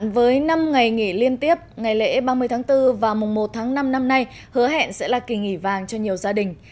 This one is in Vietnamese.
với năm ngày nghỉ liên tiếp ngày lễ ba mươi tháng bốn và mùng một tháng năm năm nay hứa hẹn sẽ là kỳ nghỉ vàng cho nhiều gia đình